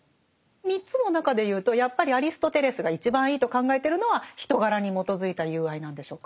３つの中で言うとやっぱりアリストテレスが一番いいと考えてるのは人柄に基づいた友愛なんでしょうか？